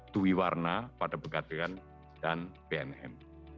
tuiwarna pada pegadian dan pnm